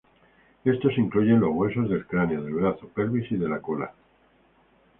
Estos incluyen los huesos del cráneo, del brazo, pelvis, y de la cola.